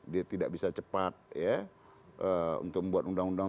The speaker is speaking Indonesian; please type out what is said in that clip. dia tidak bisa cepat ya untuk membuat undang undang